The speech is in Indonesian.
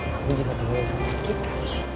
dan aku juga penuhin semua warung kita